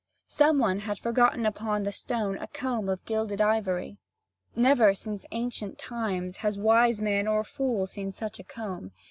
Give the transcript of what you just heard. Some one had forgotten upon the stone a comb of gilded ivory. Never since ancient times has wise man or fool seen such a comb.